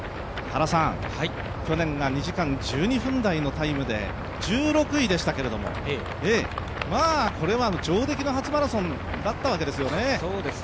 去年が２時間１２分台のタイムで１６位でしたけれども、まあこれは上出来の初マラソンだったわけですよね？